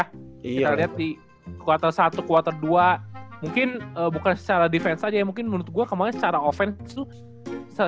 kita liat di quarter satu quarter dua mungkin bukan secara defense aja ya mungkin menurut gue kemaren secara offense tuh